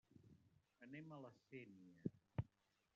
Anem a La Sénia.